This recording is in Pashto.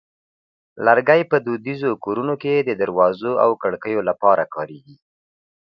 لرګی په دودیزو کورونو کې د دروازو او کړکیو لپاره کارېږي.